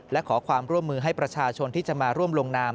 และขอความร่วมมือให้ประชาชนที่จะมาร่วมลงนาม